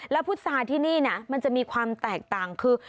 แล้วพุษาที่นี่นะมันจะมีความแตกต่างคือ